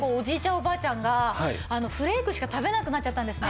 おばあちゃんがフレークしか食べなくなっちゃったんですね。